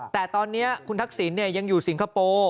แต่ตอนนี้คุณทักษิณยังอยู่สิงคโปร์